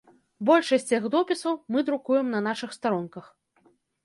Большасць іх допісаў мы друкуем на нашых старонках.